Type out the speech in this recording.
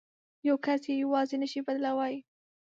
یو کس یې یوازې نه شي بدلولای.